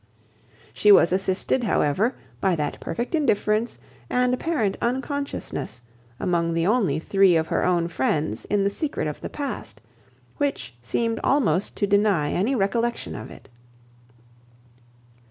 She was assisted, however, by that perfect indifference and apparent unconsciousness, among the only three of her own friends in the secret of the past, which seemed almost to deny any recollection of it.